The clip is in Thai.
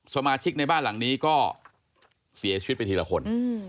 สมาชิกในบ้านหลังนี้ก็เสียชีวิตไปทีละคน